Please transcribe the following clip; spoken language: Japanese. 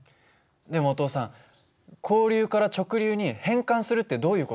でもお父さん交流から直流に変換するってどういう事？